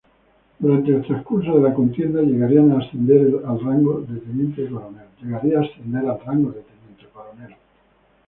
Durante el transcurso de la contienda llegaría a ascender al rango de teniente coronel.